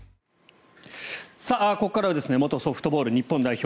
ここからは元ソフトボール日本代表